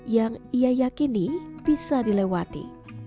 yang ia yakini bisa dilewati